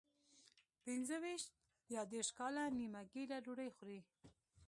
پنځه ویشت یا دېرش کاله نیمه ګېډه ډوډۍ خوري.